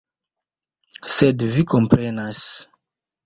Sed vi komprenas.